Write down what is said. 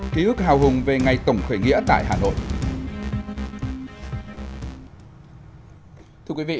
ký ức hào hùng về ngày tổng khởi nghĩa tại hà nội